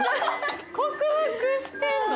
克服してんの？